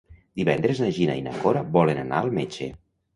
Divendres na Gina i na Cora volen anar al metge.